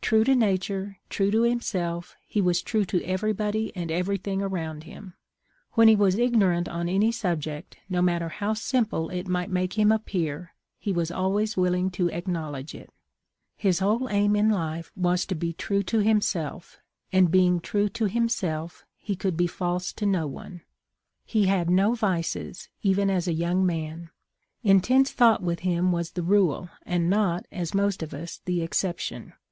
True to nature, true to himself^ he was true to everybody and everything around him. When he was igno rant on any subject, no matter how simple it might make him appear^ he was always willing to acknowl edge it. His whole aim in life was to be true to himself, and being true to himself he could be false to no one. " He had no vices, even as a young man. Intense thought with him was the rule and not, as with most of us, the exception.